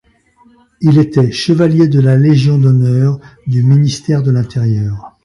Il était chevalier de la Légion d'honneur du ministère de l'Intérieur.